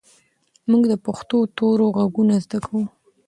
موږ د پښتو تورو غږونه زده کوو.